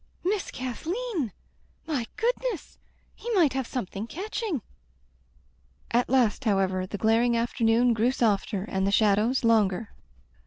"Miss Kathleen! My goodness! He might have something catching." At last, however, the glaring afternoon grew softer, and the shadows longer.